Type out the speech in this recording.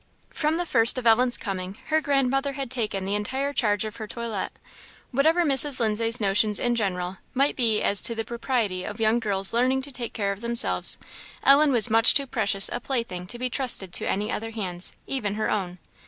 From the first of Ellen's coming, her grandmother had taken the entire charge of her toilet. Whatever Mrs. Lindsay's notions in general might be as to the propriety of young girls learning to take care of themselves, Ellen was much too precious a plaything to be trusted to any other hands, even her own.